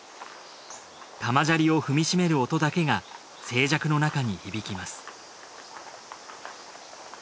玉砂利を踏みしめる音だけが静寂の中に響きます